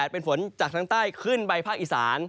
เป็นฝนจากทางใต้ขึ้นไปภาคอีสาน